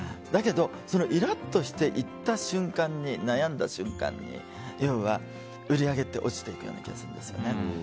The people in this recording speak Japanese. だけどそのイラッとして言った瞬間悩んだ瞬間に売り上げって落ちていくような気がするんですよね。